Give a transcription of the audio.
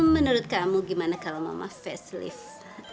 menurut kamu gimana kalau mama facelift